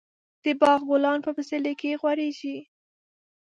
د باغ ګلان په پسرلي کې غوړېږي.